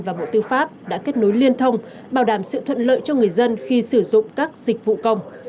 và bộ tư pháp đã kết nối liên thông bảo đảm sự thuận lợi cho người dân khi sử dụng các dịch vụ công